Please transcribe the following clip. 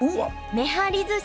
めはりずし！